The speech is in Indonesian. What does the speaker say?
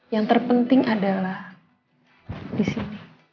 yang terpenting adalah di sini